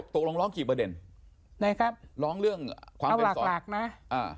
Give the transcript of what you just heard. ตกตกลงร้องกี่ประเด็นนะครับร้องเรื่องเอาหลักหลักนะอ่า